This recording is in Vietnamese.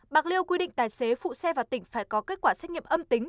bạc liêu quy định tài xế phụ xe vào tỉnh phải có kết quả xét nghiệm âm tính